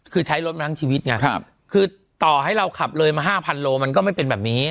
คือใช้รถมาทั้งชีวิตไงคือต่อให้เราขับเลยมา๕๐๐โลมันก็ไม่เป็นแบบนี้